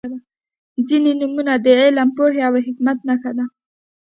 • ځینې نومونه د علم، پوهې او حکمت نښه ده.